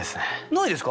ないですか？